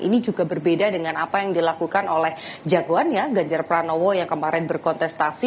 ini juga berbeda dengan apa yang dilakukan oleh jagoannya ganjar pranowo yang kemarin berkontestasi